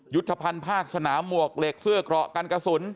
ยุทธพันธ์ภาคสนามวกเหล็กเสื้อกรอกกันกระสุน